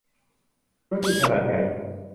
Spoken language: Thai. ธุรกิจขนาดใหญ่